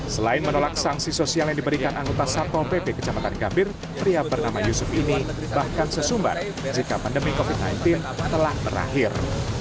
selain menolak sanksi sosial yang diberikan anggota satpol pp kecamatan gambir pria bernama yusuf ini bahkan sesumbar jika pandemi covid sembilan belas telah berakhir